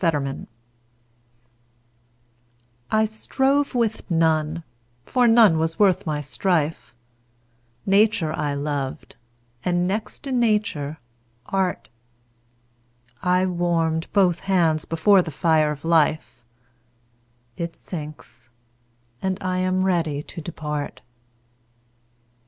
9 Autoplay I strove with none, for none was worth my strife: Nature I loved, and, next to Nature, Art: I warm'd both hands before the fire of Life; It sinks; and I am ready to depart.